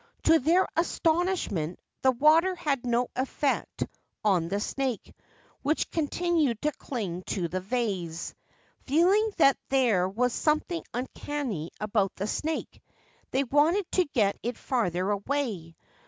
To their astonishment, the water had no effect on the snake, which continued to cling to the vase. Feeling that there was something uncanny about the snake, they wanted to get it farther away.